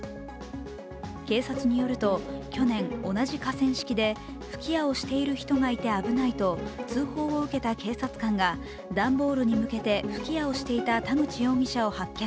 警察によると去年、同じ河川敷で吹き矢をしている人がいて危ないと通報を受けた警察官が段ボールに向けて吹き矢をしていた田口容疑者を発見。